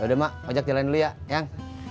udah mak ajak jalan dulu ya yang